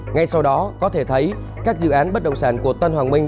ngay sau đó có thể thấy các dự án bất động sản của tân hoàng minh